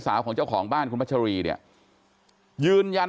แข็งแข็งแข็งแข็งแข็งแข็งแข็ง